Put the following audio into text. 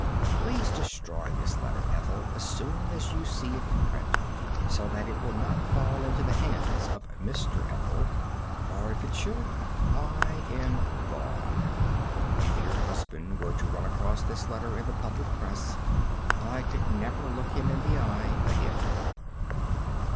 Please destroy this letter, Ethel, as soon as you see it in print, so that it will not fall into the hands of Mr. Ethel, for if it should, I am gone. If your husband were to run across this letter in the public press I could never look him in the eye again.